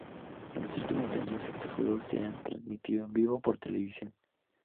En los últimos años, estos juegos se han transmitido en vivo por televisión.